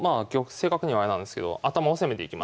正確にはあれなんですけど頭を攻めていきます。